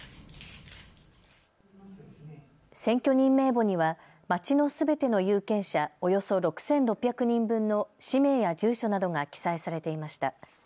選挙人名簿には町のすべての有権者およそ６６００人分の氏名や住所などが記載されていました。